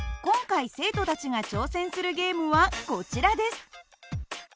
今回生徒たちが挑戦するゲームはこちらです。